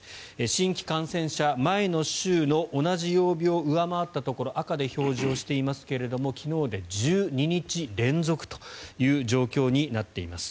新規感染者、前の週の同じ曜日を上回ったところ赤で表示していますが昨日で１２日連続という状況になっています。